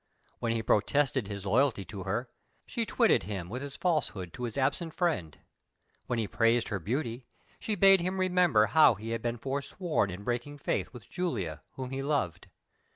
When he protested his loyalty to her, she twitted him with his falsehood to his absent friend; when he praised her beauty, she bade him remember how he had been forsworn in breaking faith with Julia, whom he loved.